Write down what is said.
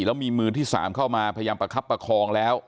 แล้วมีมือที่๓เข้ามาพยายามประคับประคองแล้ว